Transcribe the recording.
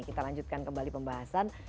kita lanjutkan kembali pembahasan